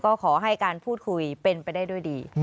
ก็ขอให้การพูดคุยเป็นไปได้ด้วยดี